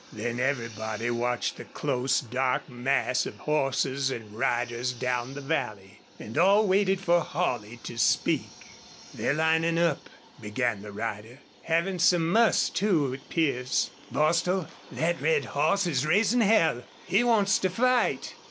Then everybody watched the close, dark mass of horses and riders down the valley. And all waited for Holley to speak. "They're linin' up," began the rider. "Havin' some muss, too, it 'pears.... Bostil, thet red hoss is raisin' hell! He wants to fight.